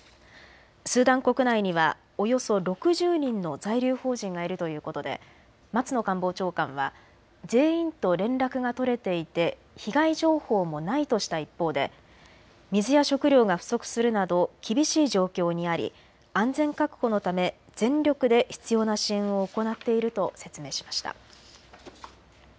スーダン国内にはおよそ６０人の在留邦人がいるということで松野官房長官は全員と連絡が取れていて被害情報もないとした一方で水や食料が不足するなど厳しい状況にあり安全確保のため全力で必要な支援を行っていると説明しました。